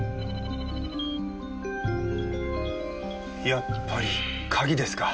やっぱり鍵ですか。